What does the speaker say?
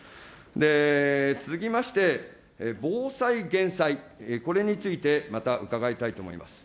で、続きまして、防災・減災、これについて、また、伺いたいと思います。